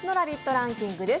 ランキングです。